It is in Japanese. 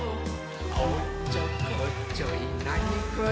「おっちょこちょいなにくいやつ」